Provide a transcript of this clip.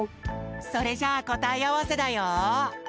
それじゃあこたえあわせだよ。